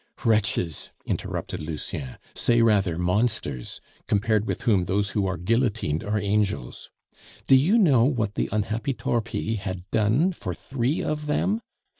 "Wretches!" interrupted Lucien, "say rather monsters, compared with whom those who are guillotined are angels. Do you know what the unhappy Torpille had done for three of them?